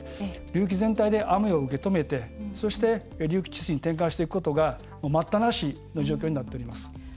流域全体で雨を受け止めてそして、流域治水に転換していくことが待ったなしの状況になっています。